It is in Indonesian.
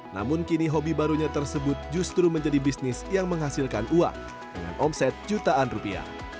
namun kini hobi barunya tersebut justru menjadi bisnis yang menghasilkan uang dengan omset jutaan rupiah